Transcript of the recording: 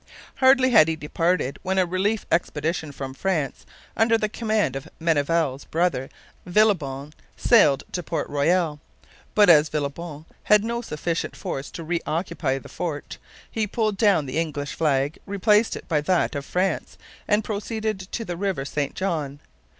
Hardly had he departed when a relief expedition from France, under the command of Menneval's brother Villebon, sailed into Port Royal. But as Villebon had no sufficient force to reoccupy the fort, he pulled down the English flag, replaced it by that of France, and proceeded to the river St John.